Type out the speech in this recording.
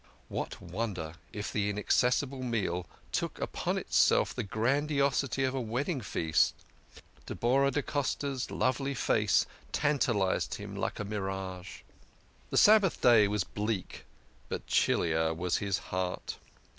What wonder if the inaccessible meal took upon itself the grandiosity of a wedding feast ! Deborah da Costa's lovely face tantalised him like a mirage. The Sabbath day was bleak, but chiller was his heart.